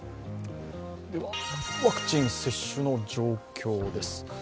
ワクチン接種の状況です。